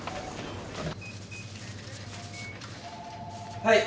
はい。